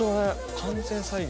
完全再現。